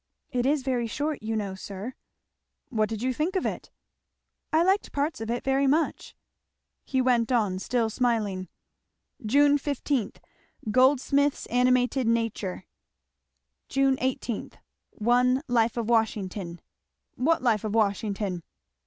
"It is very short, you know, sir." "What did you think of it?" "I liked parts of it very much." He went on, still smiling. 'June 15. Goldsmith's Animated Nature.' 'June 18. 1 Life of Washington.' "What Life of Washington?"